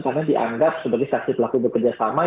karena dianggap sebagai saksi pelaku bekerja sama